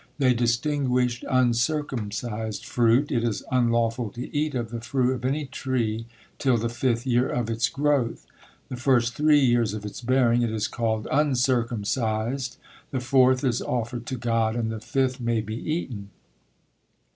They distinguished uncircumcised fruit: it is unlawful to eat of the fruit of any tree till the fifth year of its growth: the first three years of its bearing, it is called uncircumcised; the fourth is offered to God; and the fifth may be eaten.